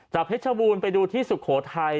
เพชรบูรณ์ไปดูที่สุโขทัย